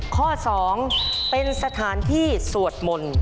ข้อ๒เป็นสถานที่สวดมนต์